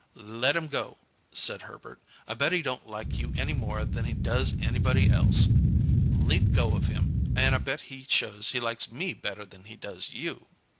"Let him go," said Herbert. "I bet he don't like you any more than he does anybody else. Leave go of him, and I bet he shows he likes me better than he does you."